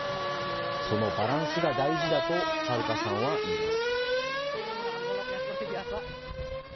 そのバランスが大事だと、サルカさんはいいます。